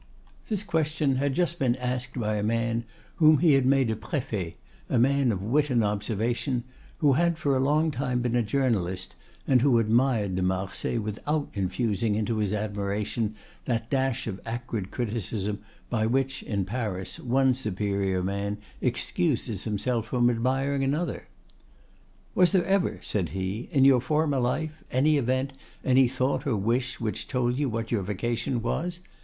This question had just been asked by a man whom he had made a préfet, a man of wit and observation, who had for a long time been a journalist, and who admired de Marsay without infusing into his admiration that dash of acrid criticism by which, in Paris, one superior man excuses himself from admiring another. "Was there ever," said he, "in your former life, any event, any thought or wish which told you what your vocation was?"